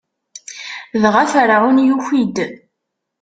Dɣa Ferɛun yuki-d.